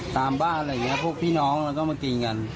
ตามบ้านอะไรอย่างนี้พวกพี่น้องเราต้องมาตีกัน